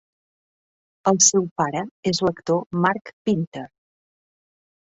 El seu pare és l'actor Mark Pinter.